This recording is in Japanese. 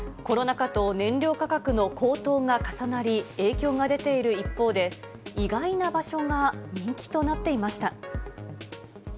コロナ禍と燃料価格の高騰が重なり、影響が出ている一方で、意外な場所が人気となっていました。